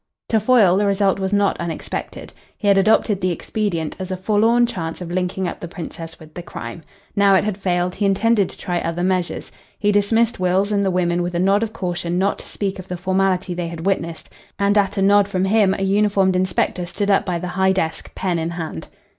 To Foyle the result was not unexpected. He had adopted the expedient as a forlorn chance of linking up the Princess with the crime. Now it had failed, he intended to try other measures. He dismissed Wills and the women with a nod of caution not to speak of the formality they had witnessed, and at a nod from him a uniformed inspector stood up by the high desk pen in hand.